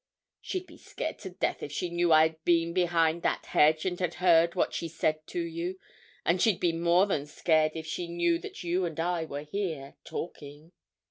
"She'd be scared to death if she knew I'd been behind that hedge and had heard what she said to you, and she'd be more than scared if she knew that you and I were here, talking.